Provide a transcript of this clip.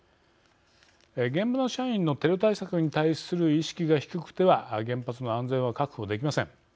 現場の社員のテロ対策に対する意識が低くては原発の安全は確保できません。